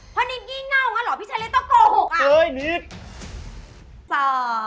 เพราะนิทงี้เง่างั้นหรอพี่ชัยเลยต้องโกหกอ่ะ